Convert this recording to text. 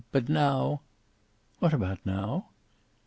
But now!" "What about now?"